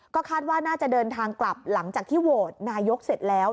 ก็คาดว่าน่าจะเดินทางกลับหลังจากที่โหวตนายกเสร็จแล้ว